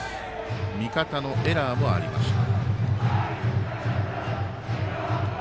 味方のエラーもありました。